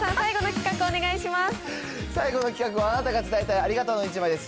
最後の企画は、あなたが伝えたいありがとうの１枚です。